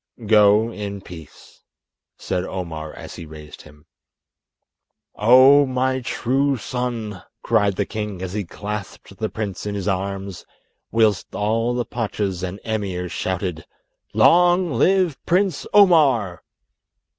"Go in peace," said Omar as he raised him. "Oh, my true son!" cried the king as he clasped the prince in his arms, whilst all the pachas and emirs shouted, "Long live Prince Omar!"